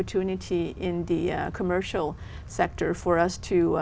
như những phương pháp hành trình